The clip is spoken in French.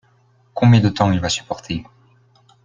Combien de temps il va supporter ?